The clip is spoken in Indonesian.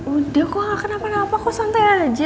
udah kok gak kenapa napa kok santai aja